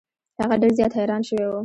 هغه ډیر زیات حیران شوی و.